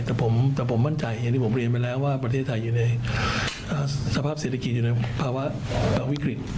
แต่ผมมั่นใจอย่างที่ผมเรียนไปแล้วว่าประเทศไทยอยู่ในสภาพเศรษฐกิจอยู่ในภาวะวิกฤต